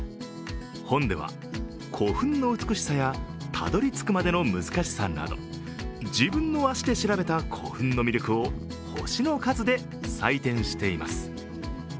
本では古墳の美しさやたどり着くまでの難しさなど自分の足で調べた古墳の魅力を星の数で採点しています。